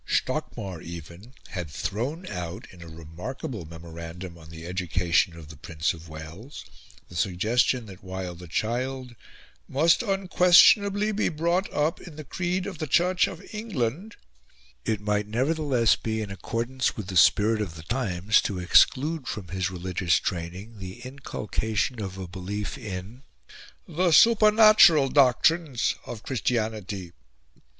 Stockmar, even, had thrown out, in a remarkable memorandum on the education of the Prince of Wales, the suggestion that while the child "must unquestionably be brought up in the creed of the Church of England," it might nevertheless be in accordance with the spirit of the times to exclude from his religious training the inculcation of a belief in "the supernatural doctrines of Christianity."